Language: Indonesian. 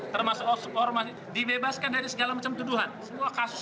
termasuk orang masing masing dibebaskan dari segala macam tuduhan semua kasus